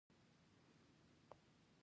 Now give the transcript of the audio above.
په افغانستان کې د بولان پټي ډېر اهمیت لري.